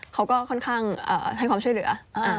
เขาก็ค่อนข้างให้ความช่วยเหลือ